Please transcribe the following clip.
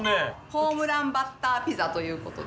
ホームランバッターピザということで。